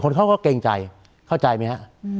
คนเขาก็เกรงใจเข้าใจมั้ยครับ